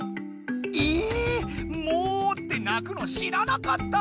ええ⁉「モ」って鳴くの知らなかった。